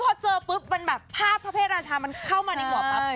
คือพอเจอปุ๊บผ้าประเภทราชามันเข้ามาในหัวแป๊บ